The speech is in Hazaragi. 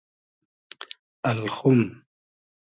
الخوم